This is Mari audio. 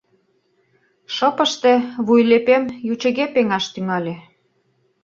Шыпыште вуйлепем ючыге пеҥаш тӱҥале.